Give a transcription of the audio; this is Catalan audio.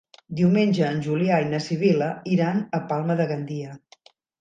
Diumenge en Julià i na Sibil·la iran a Palma de Gandia.